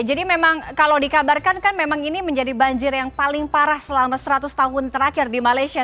memang kalau dikabarkan kan memang ini menjadi banjir yang paling parah selama seratus tahun terakhir di malaysia